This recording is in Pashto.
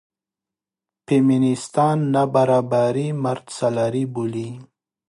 فیمینېستان نابرابري مردسالاري بولي.